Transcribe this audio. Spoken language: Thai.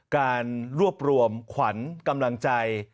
การรวบรวมขวัญกำลังใจ